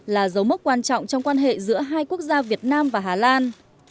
là dấu mốc quan trọng trong quan hệ giữa hai quốc gia việt nam và hà lan